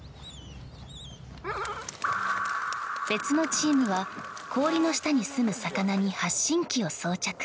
別のチームは氷の下にすむ魚に発信機を装着。